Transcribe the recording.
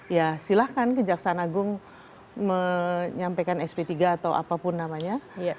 ya silahkan kejaksaan agung menyampaikan sp tiga atau apapun namanya